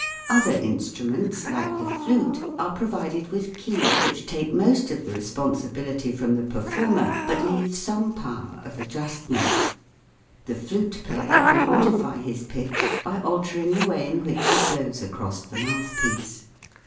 Other instruments, like the flute, are provided with keys which take most of the responsibility from the performer, but leave some power of adjustment : the flute player can modify his pitch by altering the way in which he blows across the mouthpiece.